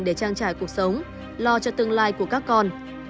để trang trải cuộc sống lo cho tương lai của các con